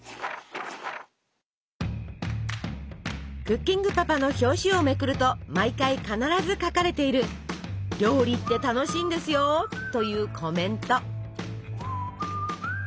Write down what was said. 「クッキングパパ」の表紙をめくると毎回必ず書かれている「料理って楽しいんですよー！！」というコメント。